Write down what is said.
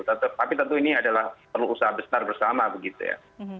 tetapi tentu ini adalah perlu usaha besar bersama begitu ya